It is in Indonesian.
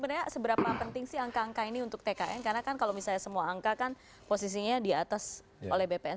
sebenarnya seberapa penting sih angka angka ini untuk tkn karena kan kalau misalnya semua angka kan posisinya di atas oleh bpn